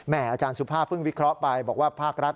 แหม่อาจารย์สุภาพฤ่งวิเคราะห์ไป